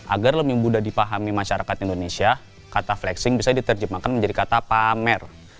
agar lebih mudah dipahami masyarakat indonesia kata flexing bisa diterjemahkan menjadi kata pamer